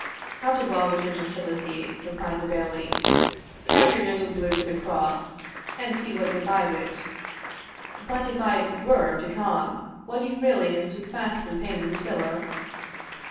"Hout awa' wi' your gentility," replied the Bailie; "carry your gentle bluid to the Cross, and see what ye'll buy wi't. But, if I were to come, wad ye really and soothfastly pay me the siller?"